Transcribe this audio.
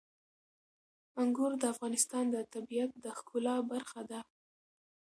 انګور د افغانستان د طبیعت د ښکلا برخه ده.